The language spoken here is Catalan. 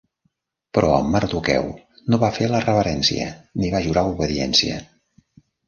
Però Mardoqueu no va fer la reverència ni va jurar obediència.